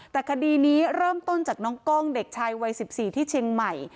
แต่คดีนี้เริ่มต้นจากน้องกล้องเด็กชายวัย๑๔ที่เชียงใหม่